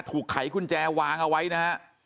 ไขกุญแจวางเอาไว้นะฮะ